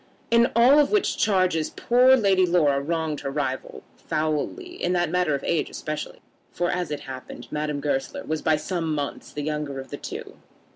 In all of which charges poor Lady Laura wronged her rival foully; in that matter of age especially, for, as it happened, Madame Goesler was by some months the younger of the two.